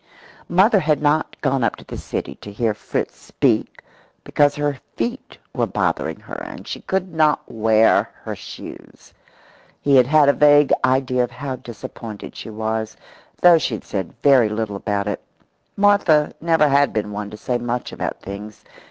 Mother had not gone up to the city to hear Fritz "speak" because her feet were bothering her, and she could not wear her shoes. He had had a vague idea of how disappointed she was, though she had said very little about it. Martha never had been one to say much about things.